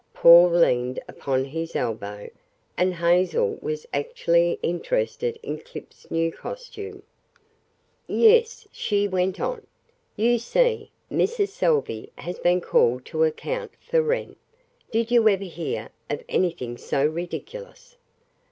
Paul leaned upon his elbow, and Hazel was actually interested in Clip's new costume. "Yes," she went on. "You see, Mrs. Salvey has been called to account for Wren did you ever hear of anything so ridiculous?